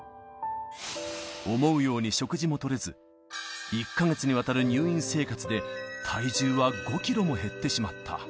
思うように食事もとれず、１か月にわたる入院生活で、体重は５キロも減ってしまった。